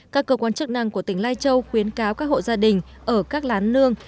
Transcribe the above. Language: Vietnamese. các cơ quan chức năng của tỉnh lai châu khuyến cáo các hộ gia đình ở các lán nương